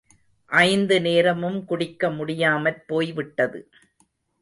ஐந்து நேரமும் குடிக்க முடியாமற் போய் விட்டது.